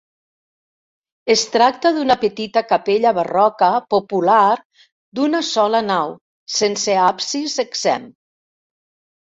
Es tracta d'una petita capella barroca popular d'una sola nau, sense absis exempt.